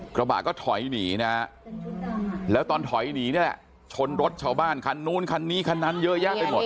กระบะก็ถอยหนีนะฮะแล้วตอนถอยหนีนี่แหละชนรถชาวบ้านคันนู้นคันนี้คันนั้นเยอะแยะไปหมด